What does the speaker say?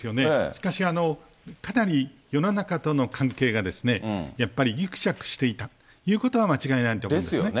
しかし、かなり世の中との関係がやっぱりぎくしゃくしていたということは間違いないと思いますね。